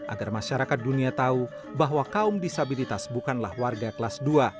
agar masyarakat dunia tahu bahwa kaum disabilitas bukanlah warga kelas dua